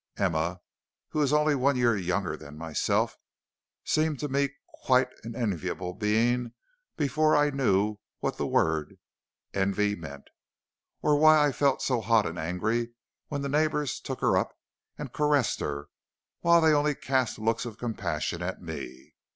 Emma, who is only a year younger than myself, seemed to me quite an enviable being before I knew what the word envy meant, or why I felt so hot and angry when the neighbors took her up and caressed her, while they only cast looks of compassion at me.